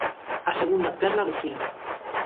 A segunda perla do fío.